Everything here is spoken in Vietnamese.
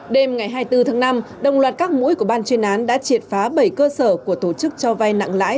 đêm ngày hai mươi bốn tháng năm đồng loạt các mũi của ban chuyên án đã triệt phá bảy cơ sở của tổ chức cho vai nặng lãi